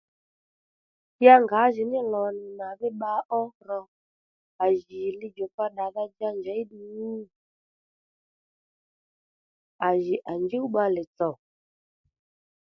Ya ngǎjìní lò nì màdhí bba ó ro à jì li djùkpa ddàdha-dja njěy ddǔ? À jì à njúw bbalè tsò